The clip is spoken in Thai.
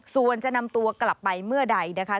ส่วนจะนำตัวกลับไปเมื่อใดนะคะ